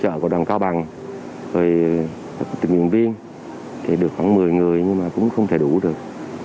hỗ trợ của đoàn cao bằng tình nguyên viên thì được khoảng một mươi người nhưng mà cũng không thể đủ được